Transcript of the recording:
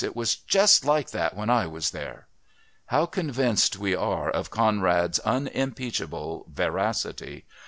It was just like that when I was there!" How convinced we are of Conrad's unimpeachable veracity!